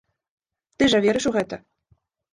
Ты жа верыш у гэта!